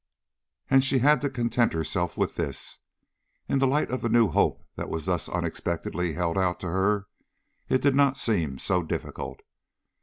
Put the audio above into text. And she had to content herself with this. In the light of the new hope that was thus unexpectedly held out to her, it did not seem so difficult.